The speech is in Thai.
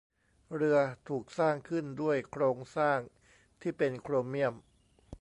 เรือถูกสร้างขึ้นด้วยโครงสร้างที่เป็นโครเมี่ยม